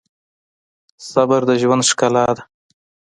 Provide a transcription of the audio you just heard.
صبر د ژوند ښکلا ده.